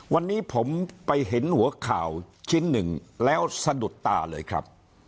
วันนี้ผมไปเห็นหัวข่าวชิ้นหนึ่งแล้วสะดุดตาเลยครับ